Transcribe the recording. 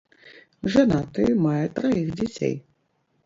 Жанаты, мае траіх дзяцей.